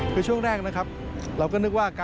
คือช่วงแรกนะครับเราก็นึกว่า